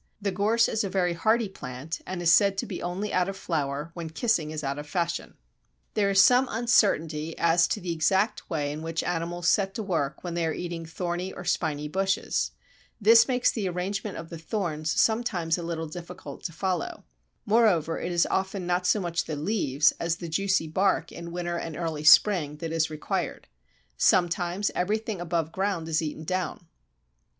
The Gorse is a very hardy plant, and is said to be only out of flower "when kissing is out of fashion" (see p. 100). There is still some uncertainty as to the exact way in which animals set to work when they are eating thorny or spiny bushes. This makes the arrangement of the thorns sometimes a little difficult to follow. Moreover it is often not so much the leaves as the juicy bark in winter and early spring that is required. Sometimes everything above ground is eaten down.